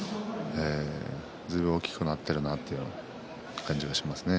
ずいぶん大きくなっているなと感じますね。